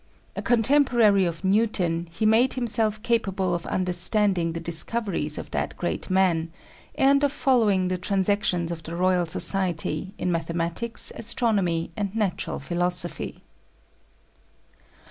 A contemporary of Newton, he made himself capable of understanding the discoveries of that great man, and of following the Transactions of the Royal Society in mathematics, astronomy, and natural philosophy.